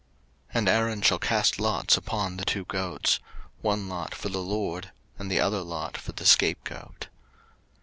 03:016:008 And Aaron shall cast lots upon the two goats; one lot for the LORD, and the other lot for the scapegoat.